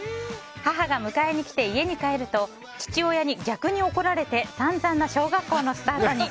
母が迎えに来て家に帰ると父親に逆に怒られて散々な小学校のスタートに。